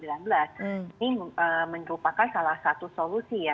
ini merupakan salah satu solusi ya